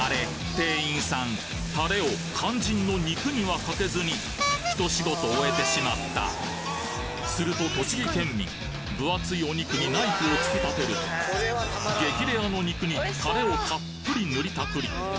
店員さんたれを肝心の肉にはかけずにひと仕事終えてしまったすると栃木県民分厚いお肉にナイフを突き立てると激レアの肉にたれをたっぷり塗りたくり